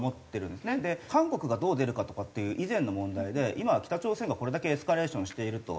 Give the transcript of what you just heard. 韓国がどう出るかとかっていう以前の問題で今は北朝鮮がこれだけエスカレーションしていると。